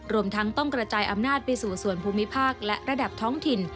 รวมทั้งต้องกระจายอำนาจไปสู่ส่วนภูมิภาคและระดับท้องถิ่น